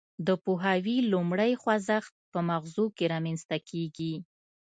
د پوهاوي لومړی خوځښت په مغزو کې رامنځته کیږي